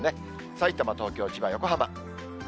さいたま、東京、千葉、横浜。